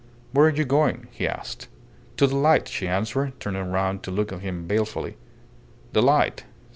"Where are you going?" he asked. "To the light," she answered, turning round to look at him balefully. "The light!